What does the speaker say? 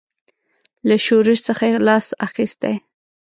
له شورش څخه یې لاس اخیستی.